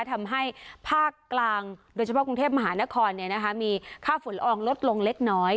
ทำให้ภาคกลางโดยเฉพาะกรุงเทพมหานครมีค่าฝุ่นละอองลดลงเล็กน้อย